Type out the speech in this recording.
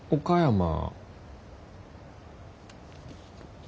岡山？